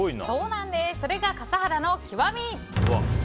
それが笠原の極み。